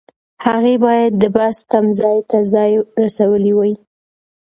هغې باید د بس تمځای ته ځان رسولی وای.